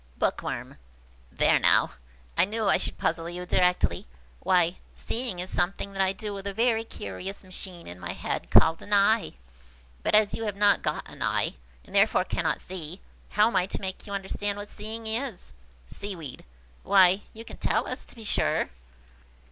Bookworm. "There, now! I knew I should puzzle you directly! Why, seeing is something that I do with a very curious machine in my head, called an eye. But as you have not got an eye, and therefore cannot see, how am I to make you understand what seeing is?" Seaweed. "Why, you can tell us, to be sure."